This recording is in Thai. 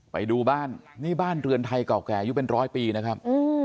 ไปดูบ้านนี่บ้านเรือนไทยเก่าแก่อายุเป็นร้อยปีนะครับ